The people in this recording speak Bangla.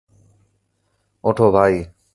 উঠো, ভাই।